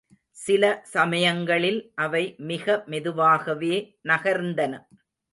சில சமயங்களில் அவை மிக மெதுவாகவே நகர்ந்தன.